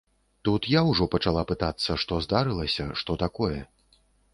Тут я ўжо пачала пытацца, што здарылася, што такое.